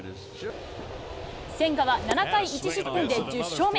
千賀は７回１失点で１０勝目。